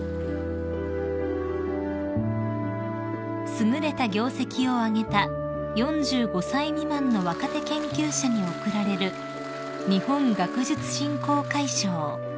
［優れた業績を挙げた４５歳未満の若手研究者に贈られる日本学術振興会賞］